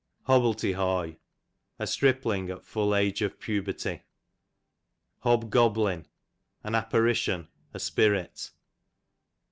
Hobble te hoy, a stripling at full age of puberty. Hobgoblin, an apparition, a spirit.